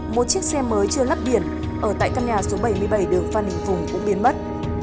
một chiếc xe mới chưa lắp biển ở tại căn nhà số bảy mươi bảy đường phan đình phùng cũng biến mất